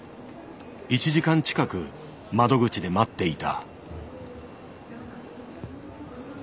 １時間近く窓口で待っていた。